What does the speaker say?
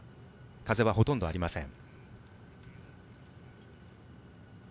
風はほとんどありません。